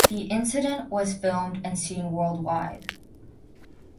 The incident was filmed and seen worldwide.